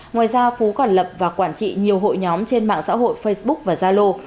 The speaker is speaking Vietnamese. ngoài ra phú còn lập và quản trị nhiều hội nhóm trên mạng xã hội facebook và zalo